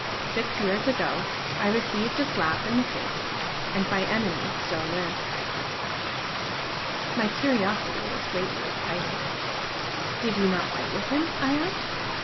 Six years ago I received a slap in the face, and my enemy still lives." My curiosity was greatly excited. "Did you not fight with him?" I asked.